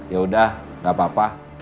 yaudah gak apa apa